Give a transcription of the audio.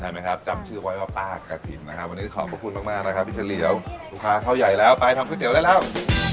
ไหมครับจำชื่อไว้ว่าป้ากระถิ่นนะครับวันนี้ขอบพระคุณมากมากนะครับพี่เฉลียวลูกค้าเข้าใหญ่แล้วไปทำก๋วเตี๋ได้แล้ว